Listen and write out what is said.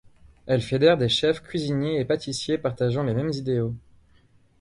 Elle fédère des chefs cuisiniers et pâtissiers partageant les mêmes idéaux.